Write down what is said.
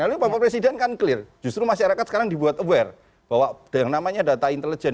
lalu bapak presiden kan clear justru masyarakat sekarang dibuat aware bahwa yang namanya data intelijen